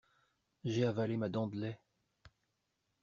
J'ai avalé ma dent de lait.